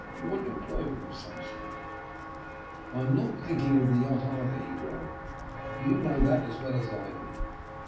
You want employment of some sort." "I am not thinking of the yacht either," he growled. "You know that as well as I do."